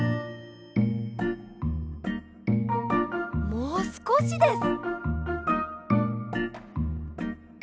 もうすこしです。